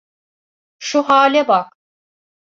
Şu hâle bak.